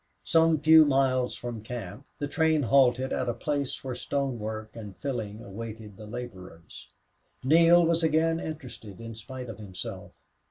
Some few miles from camp the train halted at a place where stone work and filling awaited the laborers. Neale was again interested, in spite of himself.